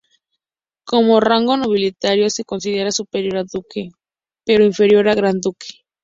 Como rango nobiliario, se considera superior a Duque, pero inferior a Gran Duque.